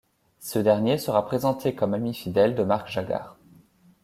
Ce dernier sera présenté comme ami fidèle de Marc Jaguar.